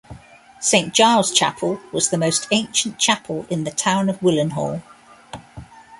Saint Giles' Chapel was the most ancient chapel in the town of Willenhall.